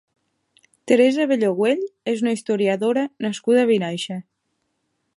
Teresa Abelló Güell és una historiadora nascuda a Vinaixa.